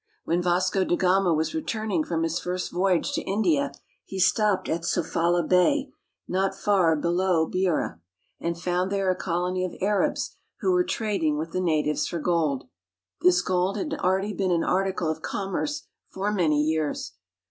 When Vasco da Gama was returning from his first voyage to India, he stopped at Sofala Bay not far below Beira, and found there a colony of Arabs who were trading with the natives for gold. This gold had already been an article of commerce for many years.